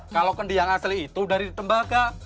kalau gendi yang asli itu dari tembaka